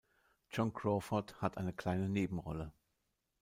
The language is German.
Joan Crawford hat eine kleine Nebenrolle.